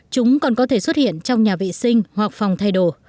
chúng còn có thể xuất hiện trong nhà vệ sinh hoặc phòng thay đồ